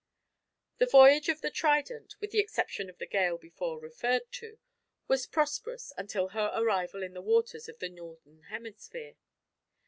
The voyage of the Trident with the exception of the gale before referred to was prosperous until her arrival in the waters of the northern hemisphere.